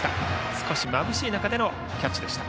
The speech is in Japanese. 少しまぶしい中でのキャッチでした。